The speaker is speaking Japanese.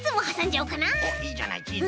おっいいじゃないチーズ。